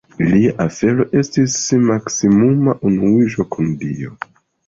Ilia celo estis maksimuma unuiĝo kun Dio.